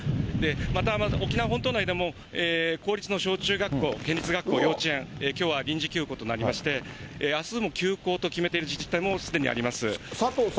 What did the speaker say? また沖縄本島内でも、公立の小中学校、県立学校、幼稚園、きょうは臨時休校となりまして、あすも休校と決めている佐藤さん。